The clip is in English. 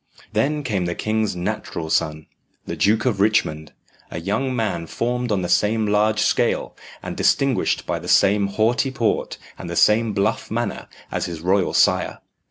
Then came the king's natural son, the Duke of Richmond a young man formed on the same large scale, and distinguished by the same haughty port, and the same bluff manner, as his royal sire.